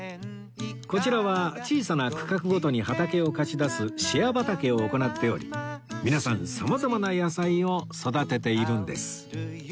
こちらは小さな区画ごとに畑を貸し出すシェア畑を行っており皆さん様々な野菜を育てているんです